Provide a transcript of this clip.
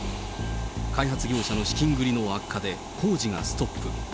開発業者の資金繰りの悪化で工事がストップ。